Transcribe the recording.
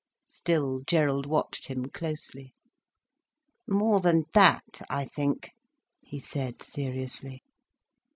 Still Gerald watched him closely. "More than that, I think," he said seriously.